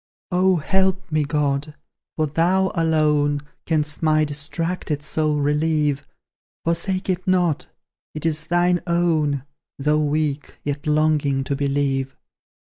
Oh, help me, God! For thou alone Canst my distracted soul relieve; Forsake it not: it is thine own, Though weak, yet longing to believe.